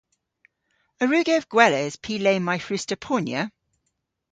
A wrug ev gweles py le may hwruss'ta ponya?